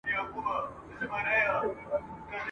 بندولې یې د خلکو د تلو لاري ..